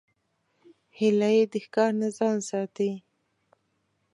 هیلۍ د ښکار نه ځان ساتي